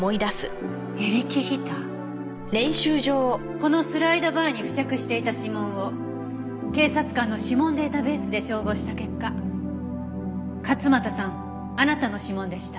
このスライドバーに付着していた指紋を警察官の指紋データベースで照合した結果勝間田さんあなたの指紋でした。